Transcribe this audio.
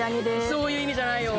そういう意味じゃないよ